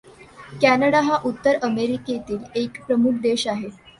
Canada हा उत्तर अमेरिकेतील एक प्रमुख देश आहे.